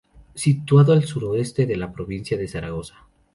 Situado al suroeste de la provincia de Zaragoza.